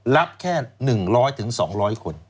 รับแค่หนึ่งร้อยถึงสองร้อยคน